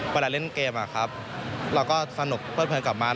เวลาเล่นเกมเราก็สนุกเลิดเพลินกับมัน